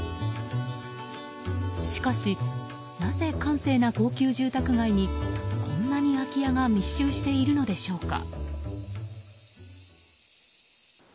しかしなぜ、閑静な高級住宅街にこんなに空き家が密集しているのでしょうか。